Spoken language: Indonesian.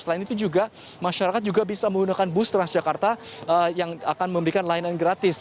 selain itu juga masyarakat juga bisa menggunakan bus transjakarta yang akan memberikan layanan gratis